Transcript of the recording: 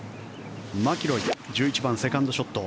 マキロイ、１１番セカンドショット。